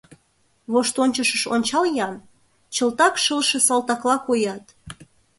— Воштончышыш ончал-ян: чылтак шылше салтакла коят...